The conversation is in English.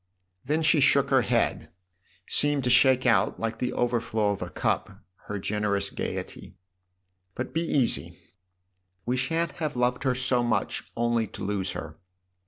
Then she shook her head seemed to shake out, like the overflow of a cup, her generous gaiety. " But be ea. :y. We shan't have loved her so much only to lose her."